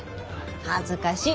恥ずかしい。